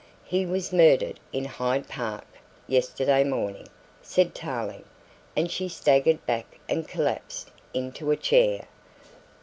"He was murdered in Hyde Park yesterday morning," said Tarling, and she staggered back and collapsed into a chair.